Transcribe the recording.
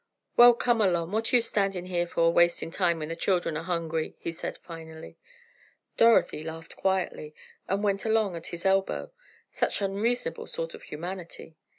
"Well, come along; what are you standin' here for wastin' time when the children are hungry?" he said finally. Dorothy laughed quietly, and went along at his elbow. Such unreasonable sort of humanity!